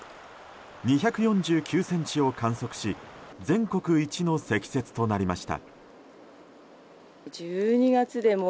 ２４９ｃｍを観測し全国一の積雪となりました。